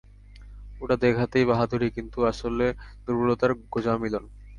ওটা দেখাতেই বাহাদুরি, কিন্তু আসলে দুর্বলতার গোঁজামিলন।